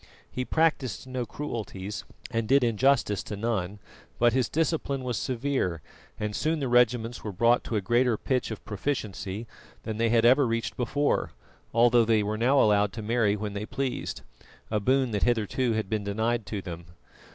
He practised no cruelties, and did injustice to none; but his discipline was severe, and soon the regiments were brought to a greater pitch of proficiency than they had ever reached before, although they were now allowed to marry when they pleased, a boon that hitherto had been denied to them.